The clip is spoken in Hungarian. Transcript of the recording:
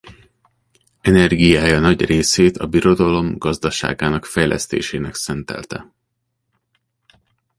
Energiája nagy részét a birodalom gazdaságának fejlesztésének szentelte.